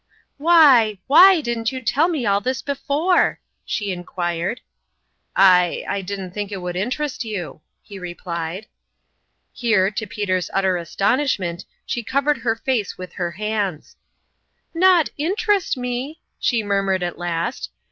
" Why why didn't you tell me all this be fore ?" she inquired. " I I didn't think it would interest you," he replied. Here, to Peter's utter astonishment, she covered her face with her hands. " Not interest me !" she murmured at last.